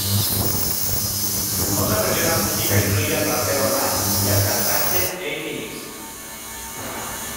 La otra versión acústica incluye al rapero Nas y al cantante J. Phoenix.